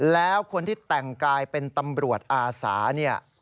แล้วคนที่แต่งกายเป็นตำรวจอาสาเนี่ย